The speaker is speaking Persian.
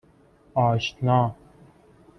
آشنا